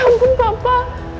ya ampun papa